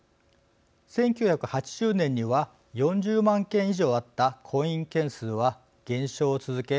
１９８０年には４０万件以上あった婚姻件数は減少を続け